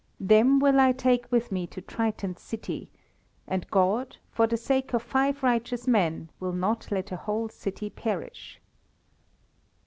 Them will I take with me to Triton's city, and God, for the sake of five righteous men, will not let a whole city perish."